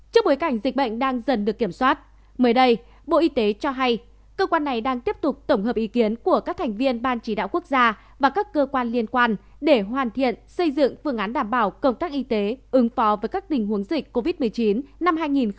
trước bối cảnh dịch bệnh đang dần được kiểm soát mới đây bộ y tế cho hay cơ quan này đang tiếp tục tổng hợp ý kiến của các thành viên ban chỉ đạo quốc gia và các cơ quan liên quan để hoàn thiện xây dựng phương án đảm bảo công tác y tế ứng phó với các tình huống dịch covid một mươi chín năm hai nghìn hai mươi